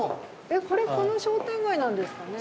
えこれこの商店街なんですかね。